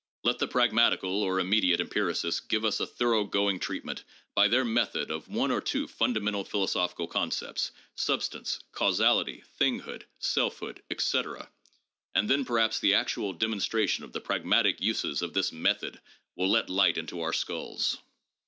Let the pragmatical, or immediate, empiricists give us a thoroughgoing treatment by their method of one or two fundamental philosophical concepts, substance, causality, thinghood, selfhood, etc., and then perhaps the actual demonstration of the pragmatic uses of this 'method' will let light into our skulls.